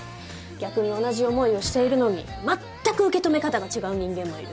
逆に同じ思いをしているのに全く受け止め方が違う人間もいる。